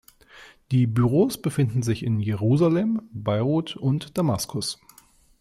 Die Büros befinden sich in Jerusalem, Beirut und Damaskus.